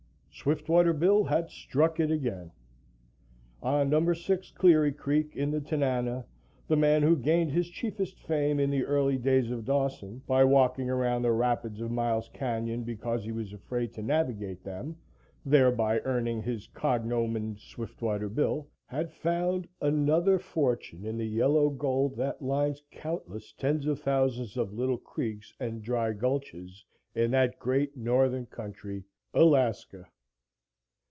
SWIFTWATER BILL had struck it again. On Number 6 Cleary Creek, in the Tanana, the man who gained his chiefest fame in the early days of Dawson by walking around the rapids of Miles Canyon, because he was afraid to navigate them, thereby earning his cognomen, "Swiftwater Bill," had found another fortune in the yellow gold that lines countless tens of thousands of little creeks and dry gulches in that great northern country Alaska.